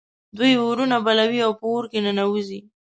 دوی اورونه بلوي او په اور کې ننوزي.